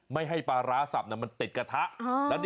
ไม่ให้ปลาร้าสับมันติดกระทะ